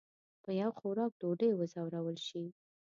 په یو خوراک ډوډۍ وځورول شي.